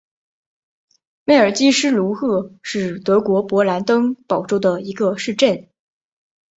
梅尔基施卢赫是德国勃兰登堡州的一个市镇。